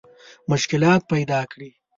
مشکلات پیدا کړي.